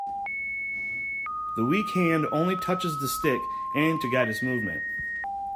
The weak hand only touches the stick and to guide its movement.